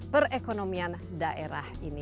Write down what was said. perekonomian daerah ini